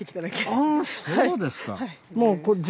あそうですか。